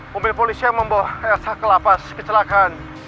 mobil polisi yang membawa elsa ke lapas kecelakaan